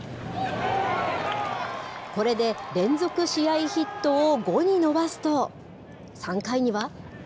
これで連続試合ヒットを５に伸ばすと３回には。